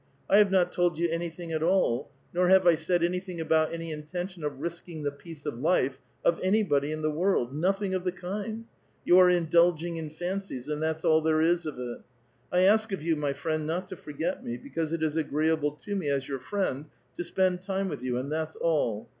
I have not told you anything at all, nor have I said anything about any intention of risking the peace of life of anybody in the world ! nothing of the kind ! You are indulging in fancies, and that's aU there is of it. I ask of you, my friend, not to forget me, because it is agree able to me, as your friend, to spend time with you, and that's all.